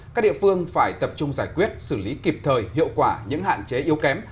các địa phương phải tập trung giải quyết xử lý kịp thời hiệu quả những hạn chế yếu kém